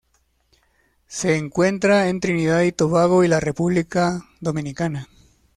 Se encuentra en Trinidad y Tobago y la República Dominicana.